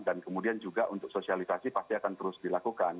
dan kemudian juga untuk sosialisasi pasti akan terus dilakukan